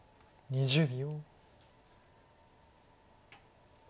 ２０秒。